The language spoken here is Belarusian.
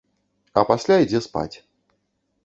А пасля ідзе спаць.